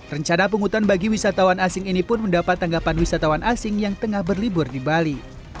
rencana penghutan bagi wisatawan asing ini pun mendapat tanggapan wisatawan asing yang tengah berlibur di bali